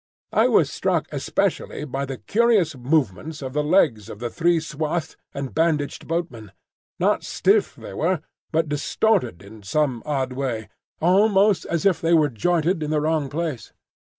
I was struck especially by the curious movements of the legs of the three swathed and bandaged boatmen,—not stiff they were, but distorted in some odd way, almost as if they were jointed in the wrong place.